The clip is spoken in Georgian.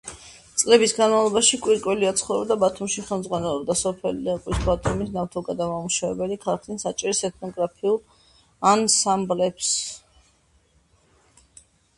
წლების განმავლობაში კვირკველია ცხოვრობდა ბათუმში, ხელმძღვანელობდა სოფელ ლეღვის, ბათუმის ნავთობგადამამუშავებელი ქარხნის, აჭარის ეთნოგრაფიულ ანსამბლებს.